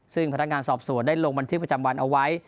ซึ่งพนักงานสอบสวนได้ลงบันทึกประจำวันเอาไว้